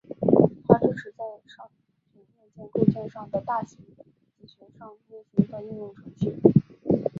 它支持在商品硬件构建的大型集群上运行的应用程序。